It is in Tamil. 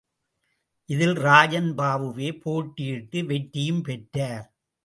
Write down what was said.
இதில் ராஜன் பாபுவே போட்டியிட்டு, வெற்றியும் பெற்றார்.